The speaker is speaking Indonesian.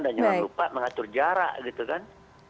dan jangan lupa mengatur jarak gitu kan